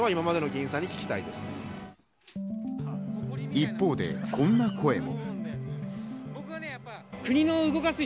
一方でこんな声も。